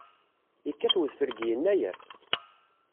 Yekkat wedfel deg yennayer.